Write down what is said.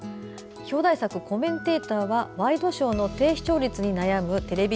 表題作「コメンテーター」はワイドショーの低視聴率に悩むテレビ